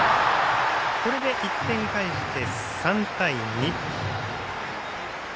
これで１点返して、３対２。